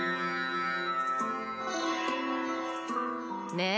ねえ？